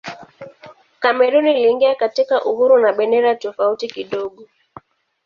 Kamerun iliingia katika uhuru na bendera tofauti kidogo.